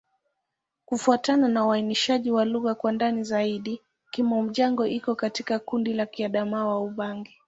Kufuatana na uainishaji wa lugha kwa ndani zaidi, Kimom-Jango iko katika kundi la Kiadamawa-Ubangi.